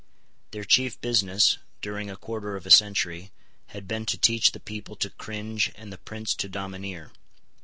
Their chief business, during a quarter of a century, had been to teach the people to cringe and the prince to domineer.